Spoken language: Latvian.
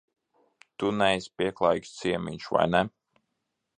Tu neesi pieklājīgs ciemiņš, vai ne?